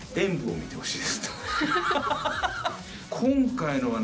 今回のはね